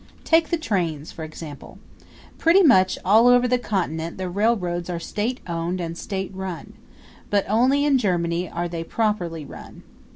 Take the trains, for example. Pretty much all over the Continent the railroads are state owned and state run, but only in Germany are they properly run.